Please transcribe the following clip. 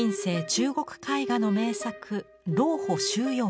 中国絵画の名作